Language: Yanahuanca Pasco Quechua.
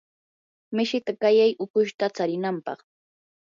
mishita qayay ukushta tsarinanpaq.